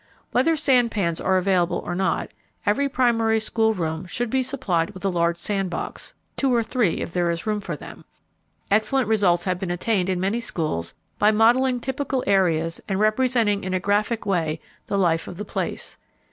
Whether sand pans are available or not, every primary school room should be supplied with a large sand box two or three if there is room for them. Excellent results have been attained in many schools by modeling typical areas and representing in a graphic way the life of the place.